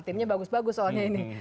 timnya bagus bagus soalnya ini